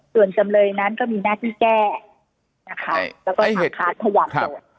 ส่วนจำเลยนั้นก็มีหน้าที่แก้แล้วก็ขาดผ่านทะวันโจทย์